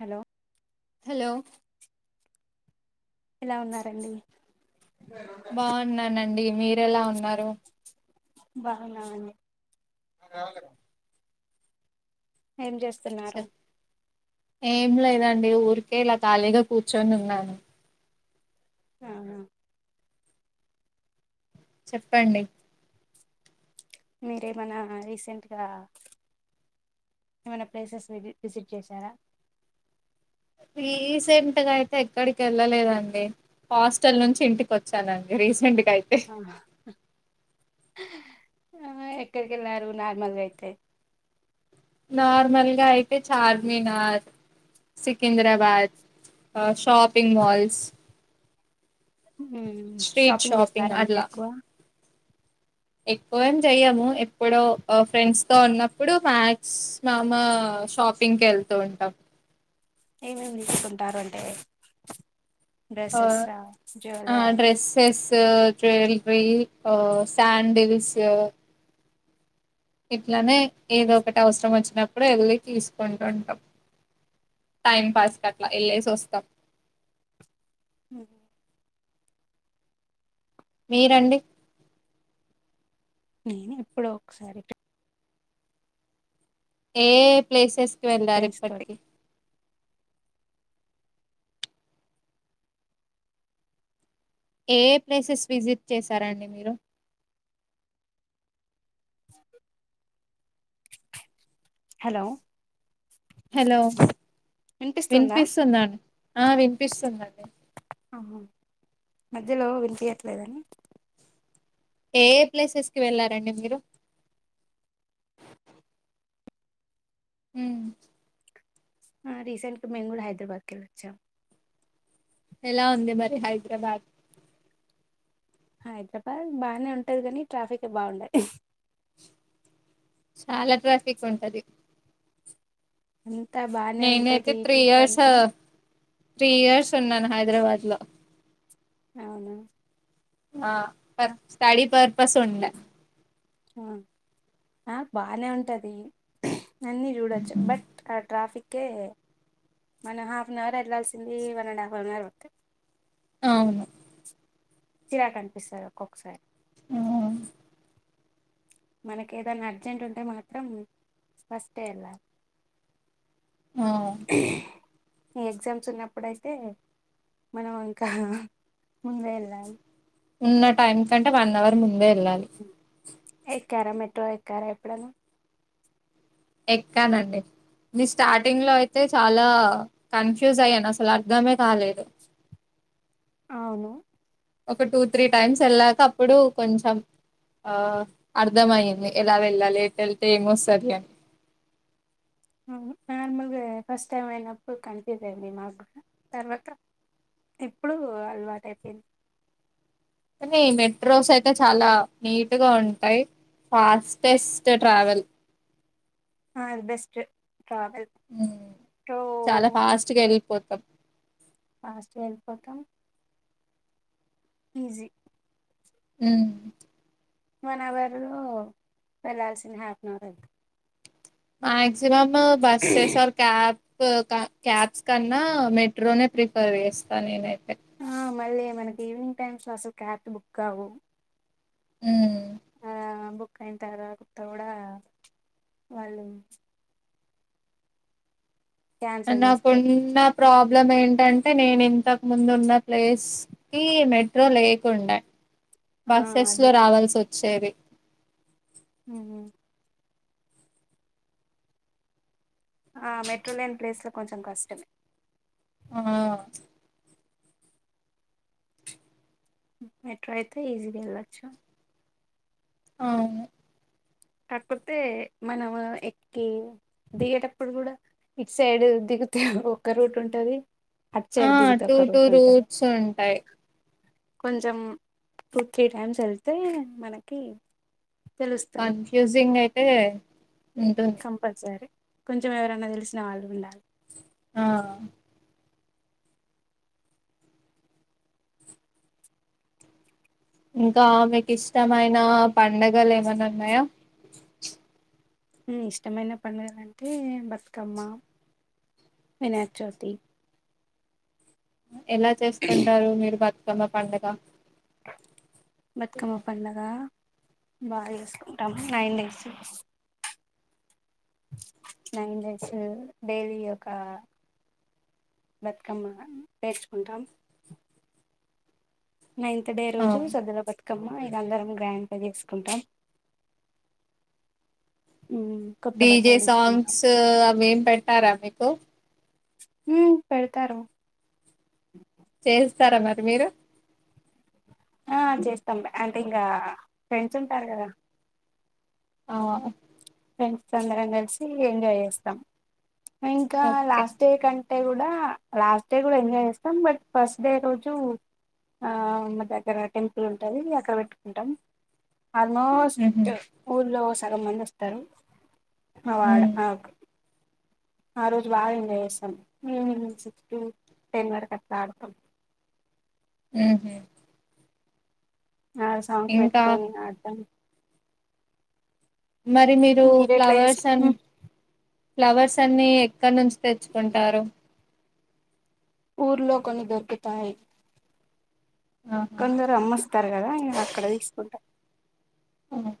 Hello hello ఎలా ఉన్నారండి బాగున్నానండి మీరెలా ఉన్నారు బాగున్నామండి ఏం చేస్తున్నారు చెప్ ఏం లేదండి ఊరికే ఇలా ఖాళీగా కూర్చొని ఉన్నాను ఆ చెప్పండి మీరేమనా రీసెంట్గా ఏమైనా ప్లేసెస్ వి విజిట్ చేశారా రీసెంట్ గా అయితే ఎక్కడికి వెళ్ళలేదండి హాస్టల్ నుంచి ఇంటికి వచ్చానండి రీసెంట్ ఆ ఆ ఎక్కడికి వెళ్ళారు నార్మల్గా అయితే నార్మల్ గా అయితే చార్మినార్ సికింద్రాబాద్ ఆ షాపింగ్ మాల్స్ ఉం షాపింగ్ చేస్తారా మీరు ఎక్కువ ఎక్కువేం చెయ్యము ఎప్పుడో ఫ్రెండ్స్ తో ఉన్నప్పుడు మాథ్స్ మామ షాపింగ్కి వెళ్తూ ఉంటాం ఏమేమి తీసుకుంటారు అంటే ఆ డ్రెస్సెసా ఆ జ్యువెలరీ డ్రెస్సెస్ వల్రీ [unintelligible] సాడ్ల్స్ ఇట్లానే ఏదో ఒకటి అవసరం వచ్చినప్పుడు వెళ్లి తీసుకుంటు ఉంటాం. టైం పాస్ కట్లా ఎల్లేసి, వస్తాం. హ మీరండి నేను ఇప్పుడ ఒకసారి ఏ ప్లేసెస్కిి వెళ్ళారు ఫ్రెండ్స్ తోటి ఇప్పటికి ఏ ప్లేసెస్ విజిట్ చేసారంండి మీరు హలో హలో వినిపిస్తుందా వినిపిస్తుందడి ఆ వినిపిస్తుందండి ఆహా మధ్యలో వినిపయట్లేదని ఏ ప్లేసెస్ కి వెళ్ళారండి మీరు అ రీసెంట్గా మేము కూడా హైదరాబాద్కి వెళ్ళ వచ్చాం ఎలా ఉందంది మరి హైదరాబాద్ హైదరాబాద్ బానే ఉంటది కానీ ట్రాఫిక్ బాగుండయి చాలా తసక్ ఉంటది అంతా బాగానే నేనైతే ఉంటంది త్రీ ఇయర్స్ చూడానికి త్రీ ఇయర్స్ ఉన్నాను హైదరాబాద్ లో అవును ఆ ప స్టడి పర్పస్ ఉంట ఆ ఆ బానే ఉంటది నందిీ చూడొచ్చు బట్ ఆ ట్రాఫిక్ ఓకే మనం హాఫ్ అన్ అవర్ వెళ్లాల్సింది one and half an hour ఒక అవును చిరా క అనిపిస్తారు ఒక్కొక్కసారి ఆ మనకి ఏదైనా అర్జెంట్ ఉంటే మాత్రం ఫస్ట్ వెళ్ళాలి ఆ న ఎగ్జామ్స్ ఉన్నప్పుడుయితే మనం ఇంకా ముందుే వెళ్ళాలి ఉన్న టైం కంటే వన్ అవర్ ముందే వెళ్ళాలి ఎ కార మెట ఎక్కార ఎప్పుడనా ఎక్కనండి న స్టార్టింగ్ లో అయితే చాలా కన్ఫ్యూజ్ అయ్యాను అసలు అర్ధమే కాలేదు అవును ఒక టూ త్రీ టైమ్స్ వెళ్ళాక అప్పుడు కొంచెం ఆ అర్ధమైంది ఎలా వెళ్ళాలట్ వెళ్తే ఏమో సరి అ నార్మల్గా ఫస్ట్ టైమ్ అయినప్పుడు కన్ఫ్యూజ్ అయింది మాకు తర్వాత ఇప్పుడు అలవాటు అయిపోయింది కానీ మెట్రోస్ అయితే చాలా నీటుగా ఉంటాయి ఫాస్టెస్ట్ ట్రావెల్ ఆ అ బెస్ట్ ట్రావెల్ సో చాలా ఫాస్ట్గా వెళ్ళిపోతాం ఫలాస్ట్ వెళ్ళిపోతాం ఈజీ అ వన్ అవరు వెళ్ళాల్సింది హాఫ్ అన్ అవర్ అళ్తుంది మాక్సిమమ్ బస్సెస్ క్యాబ్ క్యాబ్స్ కన్నా మెట్రోనే ప్రిఫర్ చేస్తా నేనైతే ఆ మళ్ళీ మనకి ఈవినింగ్ టైమ్స్ లో అసలు క్యా బుక్ కావవు ఆ కాయిన తర్వా కొత్త కూడా వాళ్ళు క్యాన్సల్ చేస్తారు నాకున్న ప్రాబ్లం ఏంటంటే నేను ఇంతకు ముందు ఉన్న ప్లేస్కి మెట్రో లేక్ ఉండ ఆ బస్సెస్ అది లో రావాల్సి వచ్చేది హ్మ్ ఆ మెట్రో లేని ప్లేస్లో కొంచం కష్టం ఆ మెట్రో అయితే ఈజీగా వెళ్ళొచ్చు అవును కాకపోతే మనము ఎక్కి దిగేటప్పుడు కూడా ఇటు సైడ్ ది త ఒక్క రూట్ ఉంటది అటు ఆ సైడ్ దిగితే టూ ఒక టూ రూట్ రూట్స్ ఉంటాయ్ కొంచం టూ త్రీ టైమ్స్ వెళ్తే మనకి తెలుస్తది యూజింగ్ అయితే ఉంటుంది. కంపల్సరీ కొంచం ఎవరనా తెలిసిన వాళ్ళు ఉండా ఆ ఇంకా మీకు ఇష్టమైన పండగలు ఏమైనా ఉన్నాయా హ్మ్ ఇష్టమైన పండుగలు అంటే బతుకమ్మ వినాయక చౌతి ఎలా చేసుకుంటారు మీరు బతుకమ్మ పండగ బతుకమ్మ పండగ బా చేసుకుంటాము nine days nine days daily యొక బతుకమ్మ పెర్చుకుంటాం నైన్త్ డే ఆ రోజు సద్దల బతుకమ్మ ఇది అందరం గ్రాండ్ గా చేసుకుంటాం ఉమ్, కొత్త డీజే బట్టలు తీసుకుంటాం సాంగ్స్ అవి ఏం పెట్టారా మీకు హ్మ్ పెడతారు చేస్తారా మరి మీరు ఆ చేస్తాం అంటే ఇంగ ఫ్రెండ్స్ ఉంటారు కదా ఆ ఫ్రెండ్స్ అందరం కలిసి ఎంజాయ్ చేస్తాం ఇంకా ఓకే లాస్ట్ డే కం టే కూడా లాస్ట్ డే కూడా ఎంజాయ్ చేస్తాం బట్ ఫస్ట్ డే రోజు ఆ మా దగ్గర టెంపుల్ ఉంటది అక్కడ పెట్టుకుంటాం ఉహు ఆల్మోస్ట్ ఊర్లో సగం మంది వస్తారు అవ ఉమ్ ఆడా ఆ వకు ఆ రోజు బా ఎంజాయ్ చేస్తాంనింగ్ సిక్స్ టు టెన్ వరకు అట్లా ఆడతాం హ్మ్ హు నా సాంగ్స్ పెట్టుకొని ఆడ్తామ్ మరి మీరు ఎట్లా చేస్త ఫ్లవర్స్ అం ఫ్లవర్స్ అన్ని ఎక్కడ నుంచి తెచ్చుకుంటారు ఊర్లో కొన్ని దొరుకుతాయ్ ఆహా కొందరు అమ్మస్తారు కదా అక్కడే తీసుకుంటా ఓ ఓకే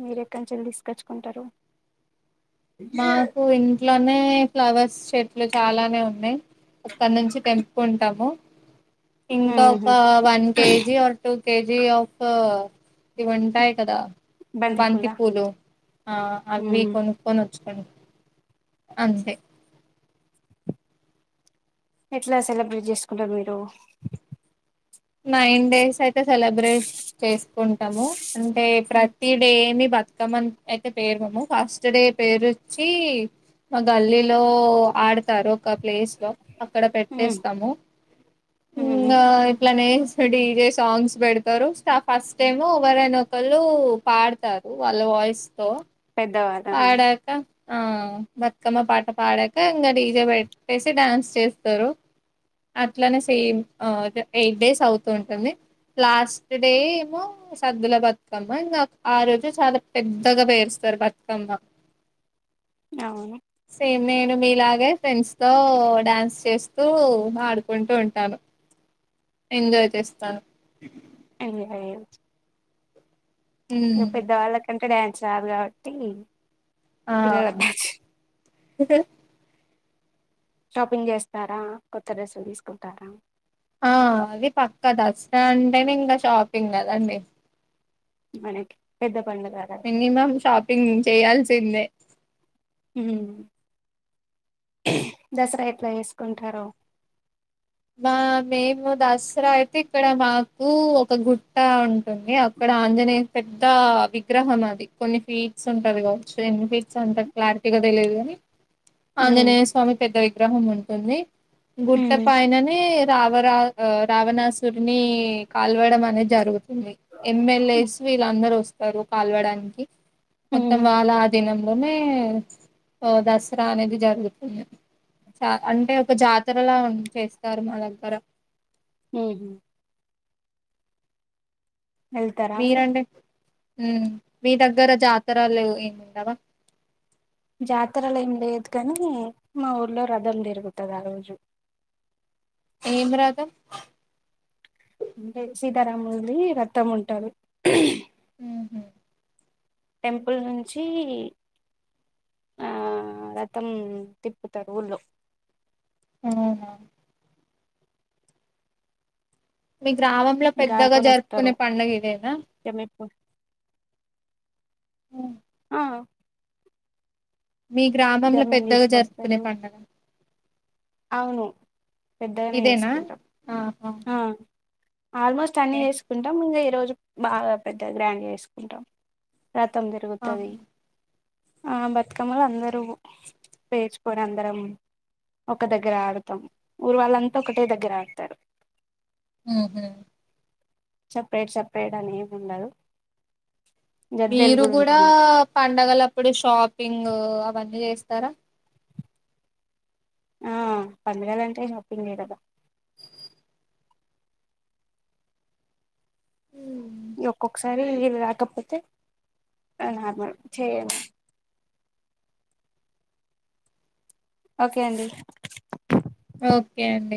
మీరెక్కడి నుంచి ఏళ్లి తీసుకొచ్చుకుంటారు మాకు ఇంట్లోనే ఫ్లవర్స్ స్ చెట్లు చాలానే ఉన్నాయి అక్కడ నుంచి తెంప్ ఉంటాము ఇంకా మ్మ్ ఒక హ్మ్ one KG or two KG of ఇవింటాయి కదా బంతి పూలు ఆ అవి మ్మ్ కొను వోచుకొని అంతే ఎట్లా సెలబ్రేట్ చేసుకుంటారు మీరు నైన్ డేస్ అయితే సెలబ్రేట్ చేసుకుంటాము అంటే మ్మ్ ప్రతి డేని బతుకమ్మని అయితే పేరువం ఫస్ట్ డే పేర్చి మ గల్లీలో ఆడత రు ఒక ప్లేస్ లో అక్కడ పెట్టేస్తాము మ్మ్ మ్మ్ అట్లానే డీజే సాంగ్స్ పెడతారు ఫస్ట్ టైము ఎవరైన ఒకళ్ళు పాడతారు వాళ్ళ వాయిస్ తో పెద్దవాళ్ళ పాడాక ఆ బతుకమ్మ పాట పాడాక ఇంకా డీజే పెట్టేసి డాన్స్ చేస్తారు అట్లానే సేమ్ ఎయిట్ డేస్ అవుతూ ఉంటుంది లాస్ట్ డే ఏమో సద్దుల బతుకమ్మ ఇంగ ఆ రోజె చాలా పెద్దగా పేరుస్తారు బతుక మ్మ అవును నేను మీలాగే ఫ్రెండ్స్ తో డాన్స్ చేస్తూ ఆడుకుంటూ ఉంటాను ఎంజాయ్ చేస్తాను [unintelligible] ఇగ హ్మ్. పెద్దవాళ్ళకంటే డ్యాన్స్ రాదు కాబట్టి ఆ పిల్లల బ్యాచ్ షాపింగ్ చేస్తారా కొత్త డ్రెస్సులు తీసుకుంటారా ఆ అది పక్క దసరా అంటేనే ఇంకా షాపింగ్ కదండి మనకి పెద్ద పండుగ కదా మినిమం షాపింగ్ చేయాల్సిందే ఉహ్ దసరా ఎట్లా చేసుకుంటారో మా మేము దసరా అయితే ఇక్కడ మాకు ఒక గుట్ట ఉం తుంది అక్కడ ఆంజనేయ పెద్ద విగ్రహం అది కొన్ని ఫీట్స్ ఉంటది కావచ్చు ఎన్ని ఫీట్స్ అంతా క్లారిటీగా తెలియదు కాని మ్మ్ ఆంజనేయ స్వామి పెద్ద విగ్రహం ఉంటుంది గుట్ట మ్మ్ పైననే రావరా రావణాసురిని కాల్వడం అనేది జరుగుతుంది ఎమ్మెల్ ఏ సు వీళ్ళందరు వస్తారు కలవడానికి మొత్తం మ్మ్ వాళ్ళదినం మనే దసరానేది జరుగుతుంది చ అంటే ఒక జాతరలా చేస్తారు మా దగ్గర ఉహు ఏళ్తారా మీరు ఉమ్మ్ మీ దగ్గర జాతరలు ఏమండవ జాతరలు ఏం లేదు కానీ మా ఊర్లో రథం తిరుగుతుంది ఆ రోజు ఏం రథం అంటే సీతారాముడి రతం ఉంటది ఉహు టెంపుల్ నుంచి ఆ రథం తిప్పుతారు ఊళ్ళో ఉహ్ హు మీ గ్రామంలో ఇంకా పెద్దగా కొని వస్తారు జరుపుకునే పండగ ఇదేనా జమ్మిప్పు హ్మ్. ఆ మీ గ్రామంలో జమ్మిని పెద్దగా జరుపుకునే తీసుకొస్తారు పండుగ అవును పెద్దగానే ఇదేనా చేసుకుంటాం ఆహా ఆ ఆల్మోస్ట్ అన్నీ ఓకే చేసుకుంటాం ఇంకా ఈరోజు బాగా పెద్ద గ్రాండ్గా చేసుకుంటాం రథం ఆ తిరుగుతది ఆ బతుకమ్మలు అందరూ పేర్చుకుని అందరం ఒక దగ్గర ఆడతాం ఊరు వాళ్ళంతా ఒకటే దగ్గర ఆడతారు ఉహు సపరేట్ సపరేట్ అని ఏమి ఉండదు గద్దెలు మీరు కూడా ఉంటాయి మాకు పండగలప్పుడు షాపింగ్ అవన్నీ చేస్తారా ఆ పంగలు అంటే షాపింగ్ చే కదా హ ఒక్కొక్కసారి రాకపోతే [unintelligible] ఓకే అండి ఓకే అండి